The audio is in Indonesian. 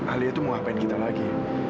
ahli itu mau ngapain kita lagi